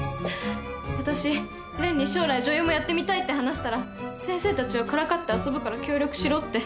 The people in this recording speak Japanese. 私蓮に将来女優もやってみたいって話したら先生たちをからかって遊ぶから協力しろって。